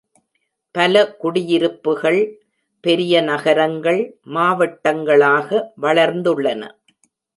பல குடியிருப்புகள் பெரிய நகரங்கள், மாவட்டங்களாக வளர்ந்துள்ளன.